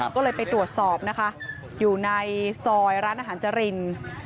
ก็เลยไปตรวจสอบนะคะอยู่ในซอยร้านอาหารจริน